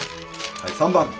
はい３番。